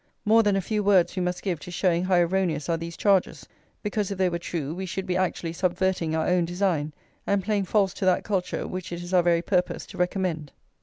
More than a few words we must give to showing how erroneous are these charges; because if they were true, we should be actually subverting our own design, and playing false to that culture which it is our very purpose to recommend.